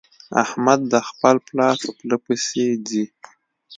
احمد د خپل پلار په پله پسې ځي.